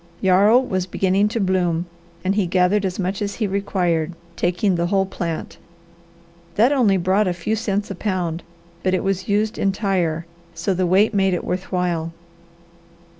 Yarrow was beginning to bloom and he gathered as much as he required, taking the whole plant. That only brought a few cents a pound, but it was used entire, so the weight made it worth while.